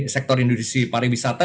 sektor industri pariwisata